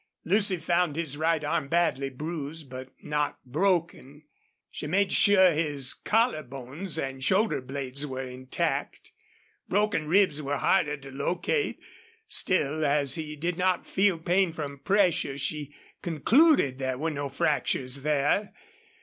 Lucy found his right arm badly bruised, but not broken. She made sure his collar bones and shoulder blades were intact. Broken ribs were harder to locate; still, as he did not feel pain from pressure, she concluded there were no fractures there.